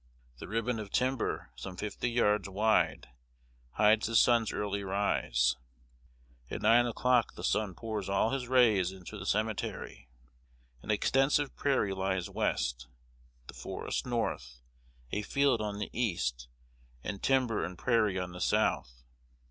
The ribbon of timber, some fifty yards wide, hides the sun's early rise. At nine o'clock the sun pours all his rays into the cemetery. An extensive prairie lies west, the forest north, a field on the east, and timber and prairie on the south.